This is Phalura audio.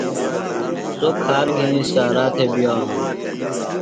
سوۡ کھار گِھنیۡ سارا تھےۡ بِیانوۡ۔